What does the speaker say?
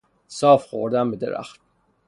صاف خوردم به درخت.